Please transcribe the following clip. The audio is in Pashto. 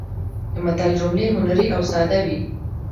د متل جملې هنري او ساده وي